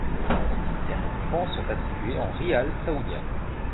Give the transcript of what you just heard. Les récompenses sont attribuées en Riyal saoudiens.